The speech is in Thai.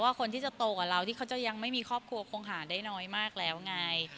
คนที่จะโตกว่าเราที่เขาจะยังไม่มีครอบครัวคงหาได้น้อยมากแล้วไง